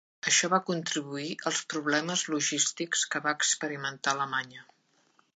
Això va contribuir als problemes logístics que va experimentar Alemanya.